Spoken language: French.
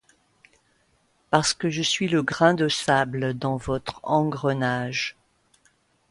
Parce que je suis le grain de sable dans votre engrenage.